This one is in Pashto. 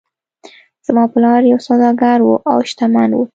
زما پلار یو سوداګر و او شتمن و.